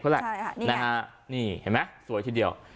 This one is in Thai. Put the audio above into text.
ใช่ค่ะนี่ไหมสวยทีเดียว